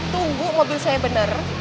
tunggu mobil saya bener